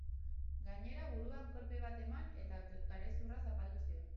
Gainera, buruan kolpe bat eman eta garezurra zapaldu zion.